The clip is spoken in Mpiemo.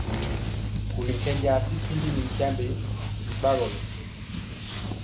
Ŋguli nkenja tyityimbi mi tyiambe y bagɔlo.